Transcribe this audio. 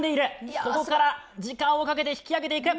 ここから時間をかけて引き上げていく。